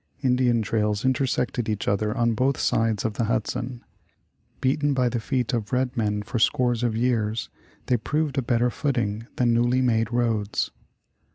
Indian trails intersected each other on both sides of the Hudson. Beaten by the feet of red men for scores of years, they proved a better footing than newly made roads.